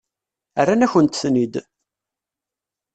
Rran-akent-ten-id.